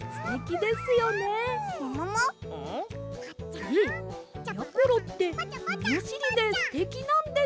「ええやころってものしりですてきなんです」。